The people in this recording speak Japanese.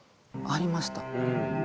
ありました。